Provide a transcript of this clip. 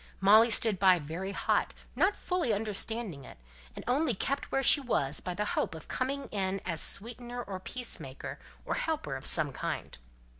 Molly stood by, very hot, not fully understanding it; and only kept where she was by the hope of coming in as sweetener or peacemaker, or helper of some kind.